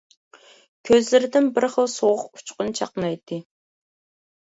كۆزلىرىدىن بىر خىل سوغۇق ئۇچقۇن چاقنايتتى.